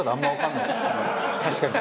確かに。